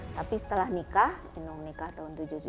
tapi setelah nikah jenuh nikah tahun seribu sembilan ratus tujuh puluh lima